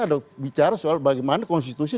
ada bicara soal bagaimana konstitusi